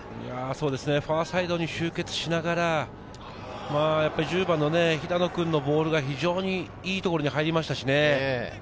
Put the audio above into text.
ファーサイドに集結しながら、１０番の肥田野君のボールが非常にいい所に入りましたしね。